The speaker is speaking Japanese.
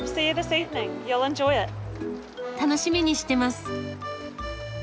楽しみにしてます。